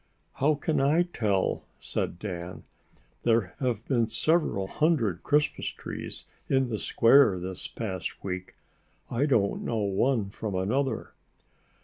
"How can I tell?" said Dan. "There have been several hundred Christmas trees in the square this past week. I don't know one from another."